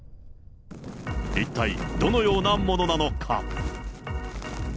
一体どのようなものなのか。